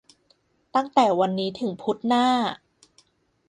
ตั้งแต่วันนี้ถึงพุธหน้า !